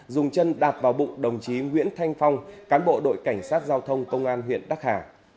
dùng chân đạp vào bụng đồng chí nguyễn thanh phong cán bộ đội cảnh sát giao thông công an huyện đắc hà